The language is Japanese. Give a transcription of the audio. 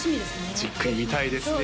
じっくり見たいですね